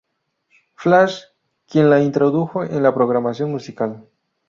Flash, quien la introdujo en la programación musical.